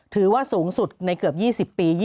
ถือว่าสูงสุดในเกือบ๒๐ปี